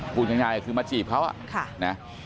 คุณยังไงคือมาจีบเขาอะค่ะ